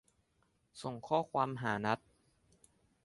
ส่งข้อความหานัท